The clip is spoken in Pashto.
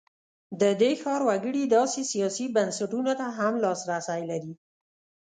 د دې ښار وګړي داسې سیاسي بنسټونو ته هم لاسرسی لري.